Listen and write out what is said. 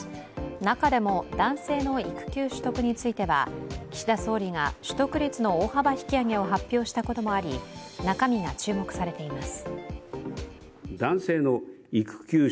中でも男性の育休取得については岸田総理が取得率の大幅引き上げを発表したこともあり中身が注目されています。